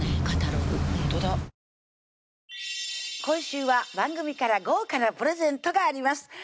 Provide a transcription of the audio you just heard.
今週は番組から豪華なプレゼントがあります